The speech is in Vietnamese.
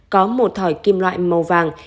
có một thỏi kim loại màu vàng